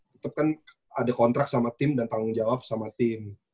tetap kan ada kontrak sama tim dan tanggung jawab sama tim